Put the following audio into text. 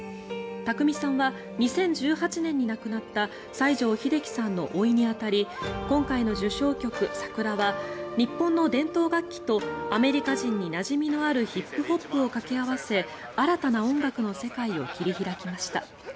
宅見さんは２０１８年に亡くなった西城秀樹さんのおいに当たり今回の受賞曲「Ｓａｋｕｒａ」は日本の伝統楽器とアメリカ人になじみのあるヒップホップを掛け合わせ新たな音楽の世界を切り開きました。